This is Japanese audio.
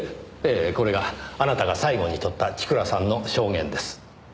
これがあなたが最後にとった千倉さんの証言です。